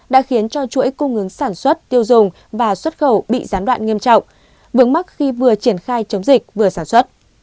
đã khiến cho chuỗi cung ứng sản xuất tiêu dùng và xuất khẩu bị gián đoạn nghiêm trọng vướng mắt khi vừa triển khai chống dịch vừa sản xuất